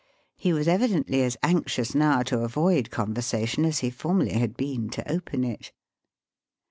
He was evidently as anxious now to avoid conversation as he formerly had been to open it.